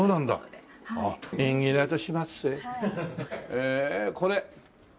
へえこれ。